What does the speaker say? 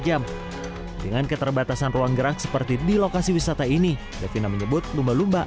jam dengan keterbatasan ruang gerak seperti di lokasi wisata ini devina menyebut lumba lumba